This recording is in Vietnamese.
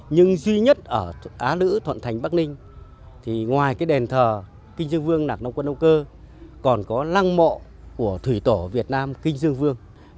nhưng duy nhất ở á lữ thuận thành bắc ninh thì ngoài cái đền thờ kinh dương vương nạc nông quân âu cơ còn có lăng mộ của thủy tổ việt nam kinh dương vương